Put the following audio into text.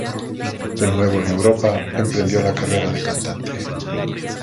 De nuevo en Europa, emprendió la carrera de cantante.